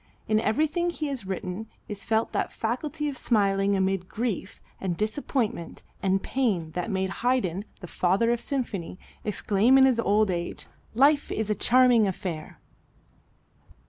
In everything he has written is felt that faculty of smiling amid grief and disappointment and pain that made Haydn, the Father of the Symphony, exclaim in his old age, "Life is a charming affair."